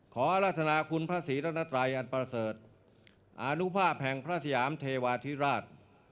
ขอรัฐนาคุณพระศรีรัตนัตรายอันประเสริฐอานุภาพแห่งพระสยามเทวาธิราช